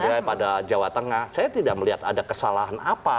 sampai pada jawa tengah saya tidak melihat ada kesalahan apa